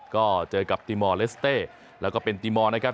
ก็เจอกับตีมอร์เลสเต้แล้วก็เป็นติมอลนะครับ